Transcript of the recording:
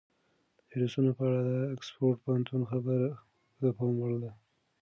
د ویروسونو په اړه د اکسفورډ پوهنتون خبره د پام وړ ده.